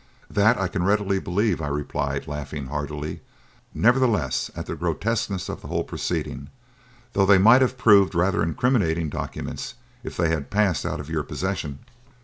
"That I can readily believe," I replied, laughing heartily, nevertheless, at the grotesqueness of the whole proceeding, "though they might have proved rather incriminating documents if they had passed out of your possession."